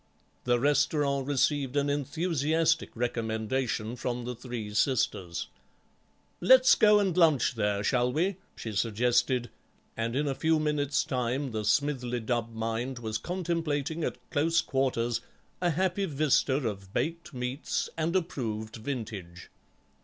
The restaurant received an enthusiastic recommendation from the three sisters. "Let's go and lunch there, shall we?" she suggested, and in a few minutes' time the Smithly Dubb mind was contemplating at close quarters a happy vista of baked meats and approved vintage.